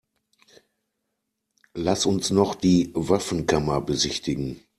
Lass uns noch die Waffenkammer besichtigen.